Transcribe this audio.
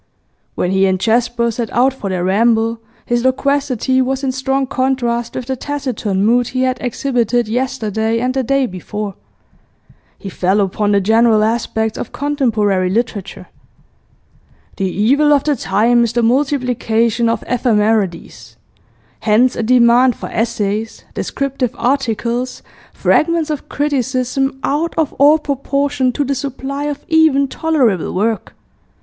When he and Jasper set out for their ramble, his loquacity was in strong contrast with the taciturn mood he had exhibited yesterday and the day before. He fell upon the general aspects of contemporary literature. '... The evil of the time is the multiplication of ephemerides. Hence a demand for essays, descriptive articles, fragments of criticism, out of all proportion to the supply of even tolerable work.